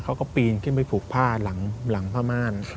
เขาก็ปีนขึ้นไปผูกผ้าหลังผ้าม่าน